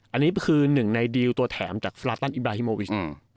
อันนี้คือหนึ่งในดีลตัวแถมจากฟลาตันอิบราฮิโมวิช